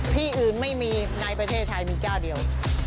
ที่อื่นไม่มีในประเทศไทยมีเจ้าเดียว